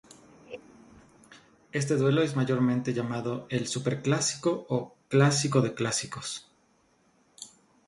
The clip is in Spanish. Este duelo es mayormente llamado El Superclásico o "Clásico de Clásicos".